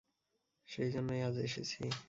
সেইজন্যেই আজ এসেছি।